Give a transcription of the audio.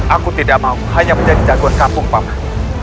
aku tidak mau hanya menjadi jagoan kampung paman